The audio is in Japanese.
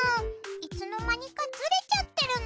いつのまにかずれちゃってるの。